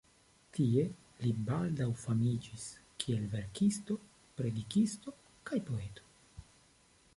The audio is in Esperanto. Tie li baldaŭ famiĝis kiel verkisto, predikisto kaj poeto.